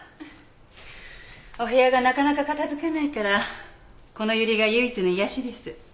お部屋がなかなか片付かないからこのユリが唯一の癒やしです。